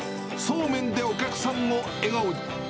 そうめんでお客さんを笑顔に。